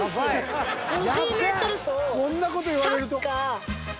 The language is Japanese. ［こんな事言われると？］